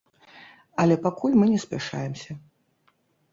Але пакуль мы не спяшаемся.